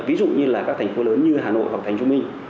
ví dụ như là các thành phố lớn như hà nội hoặc thành phố hồ chí minh